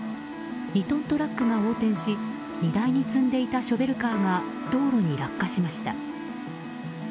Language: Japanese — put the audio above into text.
２トントラックが横転し荷台に積んでいたショベルカーが道路に落下しました。